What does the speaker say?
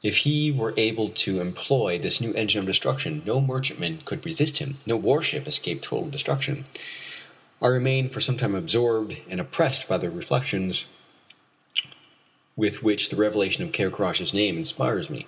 If he were able to employ this new engine of destruction no merchantman could resist him, no warship escape total destruction. I remain for some time absorbed and oppressed by the reflections with which the revelation of Ker Karraje's name inspires me.